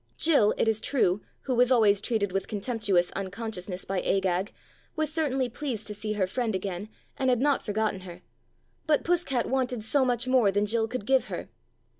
Jill, it is true, who was always treated with contemptuous uncon sciousness by Agag, was certainly pleased to see her friend again, and had not forgotten her; but Puss cat wanted so much more than Jill could give her.